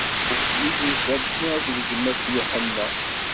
D Yeɛqub, mmi-s n Zabdi akked gma-s Yuḥenna.